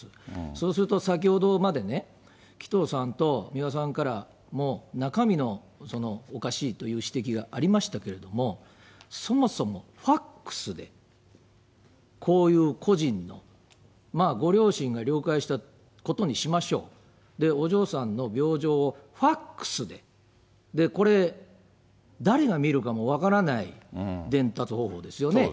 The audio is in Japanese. そうすると、先ほどまでね、紀藤さんと三輪さんからも、中身のおかしいという指摘がありましたけれども、そもそもファックスで、こういう個人の、まあ、ご両親が了解したことにしましょう、で、お嬢さんの病状をファックスで、これ、誰が見るかも分からない伝達方法ですよね。